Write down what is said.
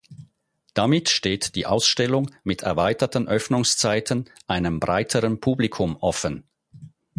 Damit steht die Ausstellung mit erweiterten Öffnungszeiten einem breiteren Publikum offen.